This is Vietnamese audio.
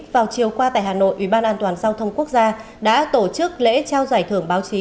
vào chiều qua tại hà nội ủy ban an toàn giao thông quốc gia đã tổ chức lễ trao giải thưởng báo chí